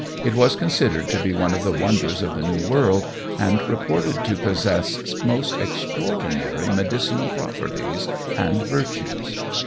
It was considered to be one of the wonders of the New World, and reported to possess most extraordinary medicinal properties and virtues.